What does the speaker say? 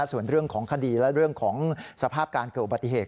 ส่วนเรื่องของคดีและเรื่องของสภาพการเกิดอุบัติเหตุ